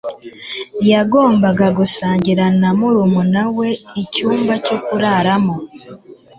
Yagombaga gusangira na murumuna we icyumba cyo kuraramo.